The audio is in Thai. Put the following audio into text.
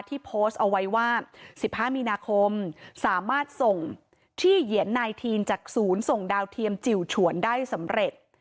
ที่โพสต์เอาไว้ว่า๑๕มีนาคมสามารถส่งที่เหยียนนายทีนจากศูนย์ส่งดาวเทียมจิ๋วฉวนได้สำเร็จ